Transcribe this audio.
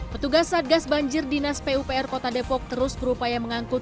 petugas satgas banjir dinas pupr kota depok terus berupaya mengangkut